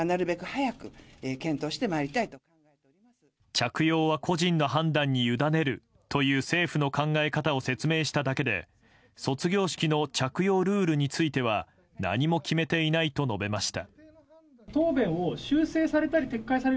着用は個人の判断にゆだねるという政府の考え方を説明しただけで卒業式の着用ルールについては何も決めていないと述べました。